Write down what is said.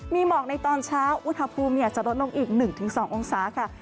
มีหมอกในตอนเช้าอุณหภูมิจะลดลงอีก๑๒องศาค่ะ